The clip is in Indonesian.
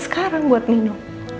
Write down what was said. sekarang buat nino